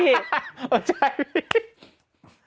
เออใช่